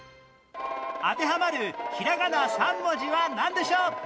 当てはまるひらがな３文字はなんでしょう？